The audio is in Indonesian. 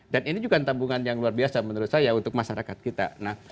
dan ini juga tambungan yang luar biasa menurut saya untuk masyarakat kita